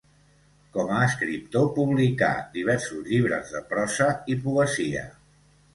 Com a escriptor publicà diversos llibres de prosa i poesia.